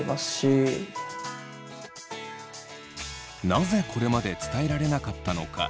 なぜこれまで伝えられなかったのか。